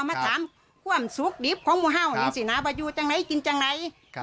มาทำความสุขดิบของมัวเห่าครับสินาบายูจังไงกินจังไงครับ